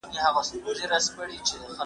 دا خواړه له هغو تازه دي!.